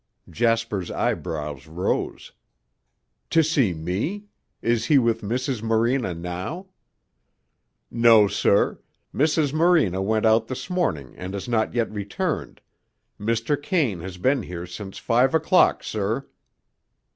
Jasper's eyebrows rose. "To see me? Is he with Mrs. Morena now?" "No, sir. Mrs. Morena went out this morning and has not yet returned. Mr. Kane has been here since five o'clock, sir."